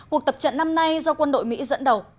cuộc tập trận năm nay do quân đội mỹ dẫn đầu